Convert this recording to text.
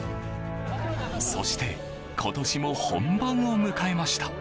そして今年も本番を迎えました。